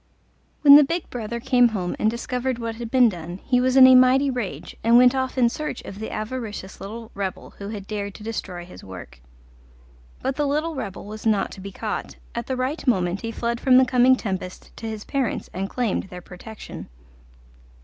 When the big brother came home and discovered what had been done he was in a mighty rage, and went off in search of the avaricious little rebel who had dared to destroy his work. But the little rebel was not to be caught; at the right moment he fled from the coming tempest to his parents and claimed their protection.